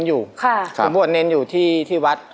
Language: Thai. คุณบวชเน้นอยู่ที่ที่วัด